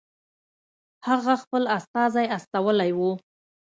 هغه خپل استازی استولی وو.